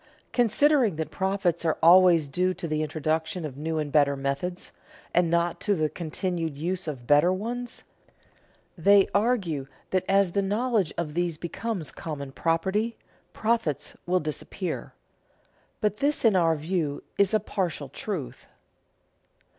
Considering that profits are always due to the introduction of new and better methods, and not to the continued use of better ones, they argue that as the knowledge of these becomes common property profits will disappear. But this in our view is a partial truth.